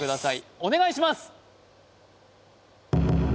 お願いします